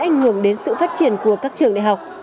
ảnh hưởng đến sự phát triển của các trường đại học